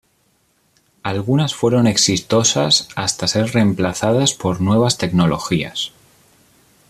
Algunas fueron exitosas hasta ser remplazadas por nuevas tecnologías.